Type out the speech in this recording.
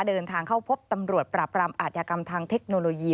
เดินทางเข้าพบตำรวจปราบรามอาทยากรรมทางเทคโนโลยี